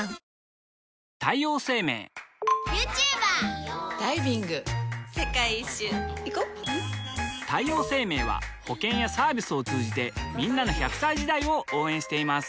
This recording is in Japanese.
女性 ２） 世界一周いこ太陽生命は保険やサービスを通じてんなの１００歳時代を応援しています